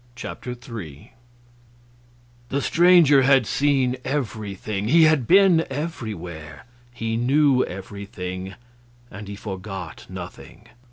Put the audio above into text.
Chapter 3 The Stranger had seen everything, he had been everywhere, he knew everything, and he forgot nothing.